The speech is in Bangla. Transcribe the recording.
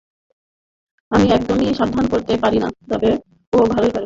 আমি একদমই সমাধান করতে পারি না, তবে ও ভালোই পারে।